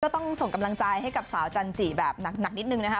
ต้องส่งกำลังใจให้กับสาวจันจิแบบหนักนิดนึงนะคะ